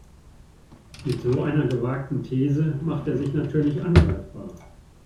Mit so einer gewagten These macht er sich natürlich angreifbar.